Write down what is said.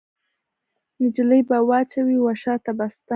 نجلۍ به واچوي وشا ته بسته